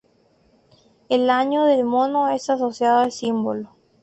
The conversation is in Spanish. El año del mono es asociado al símbolo "申".